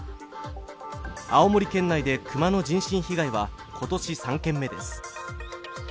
青森県内で熊の人身被害は今年３件目です